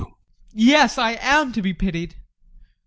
Yes, I am to be pitied!